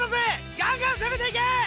ガンガン攻めていけ！